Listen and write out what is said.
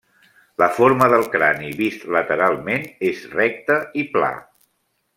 La forma del crani vist lateralment és recte i pla.